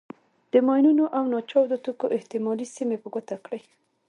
د ماینونو او ناچاودو توکو احتمالي سیمې په ګوته کړئ.